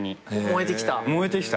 燃えてきた。